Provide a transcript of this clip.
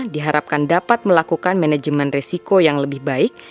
diharapkan dapat melakukan manajemen resiko yang lebih baik